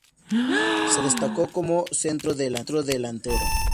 Se destacó como centrodelantero.